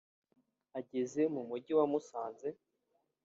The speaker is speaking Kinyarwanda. Ageze mu Mujyi wa Musanze